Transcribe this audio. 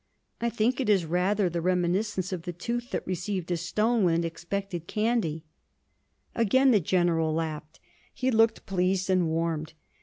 'I think it is rather the reminiscence of the tooth that received a stone when it expected candy.' Again the General laughed; he looked pleased and warmed.